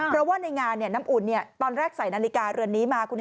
เพราะว่าในงานน้ำอุ่นตอนแรกใส่นาฬิกาเรือนนี้มา